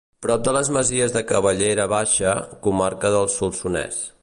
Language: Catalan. Prop de les masies de Cavallera Baixa, Comarca del Solsonès.